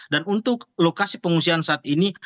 dan untuk lokasi pengungsian saat ini